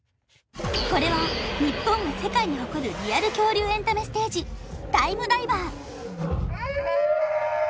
これは日本が世界に誇るリアル恐竜エンタメステージタイムダイバー